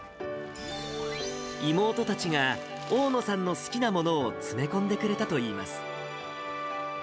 妹たちが大野さんの好きなものを詰め込んでくれたといいます。